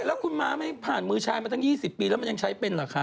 แล้วคุณม้าไม่ผ่านมือชายมาตั้ง๒๐ปีแล้วมันยังใช้เป็นเหรอคะ